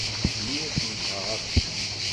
Segmi asen-ffɣeɣ afus.